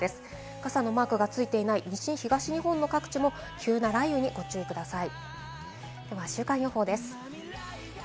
傘のマークがついていない西日本、東日本の各地も急な雷雨にご注意ください。